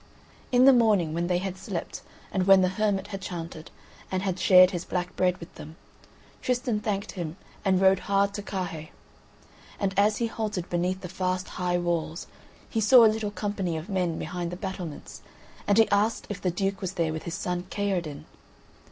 In the morning, when they had slept, and when the hermit had chanted, and had shared his black bread with them, Tristan thanked him and rode hard to Carhaix. And as he halted beneath the fast high walls, he saw a little company of men behind the battlements, and he asked if the Duke were there with his son Kaherdin.